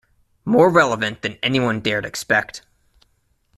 More relevant than anyone dared expect.